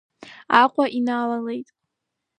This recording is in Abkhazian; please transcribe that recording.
Аҟәа иналалеит.